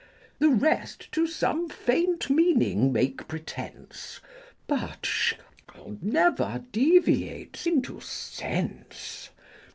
The rest to some faint meaning make pretence, 19 But Shadwell never deviates into sense.